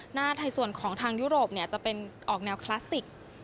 หน้าไทยส่วนของทางยุโรปจะเป็นออกแนวคลาสสิก